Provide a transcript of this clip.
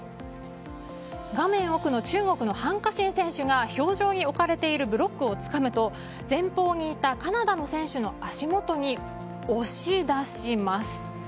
画面奥の中国のハン・カシン選手が氷上に置かれているブロックをつかむと前方にいたカナダの選手の足元に押し出します。